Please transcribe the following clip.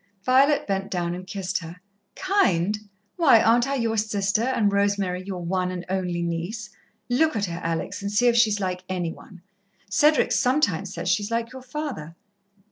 Violet bent down and kissed her. "Kind! Why, aren't I your sister, and Rosemary your one and only niece? Look at her, Alex, and see if she's like any one. Cedric sometimes says she's like your father."